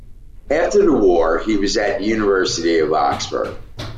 After the war he was at the University of Oxford.